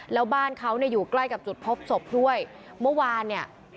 แล้วบ้านเขาเนี่ยอยู่ใกล้กับจุดพบศพด้วยเมื่อวานเนี่ย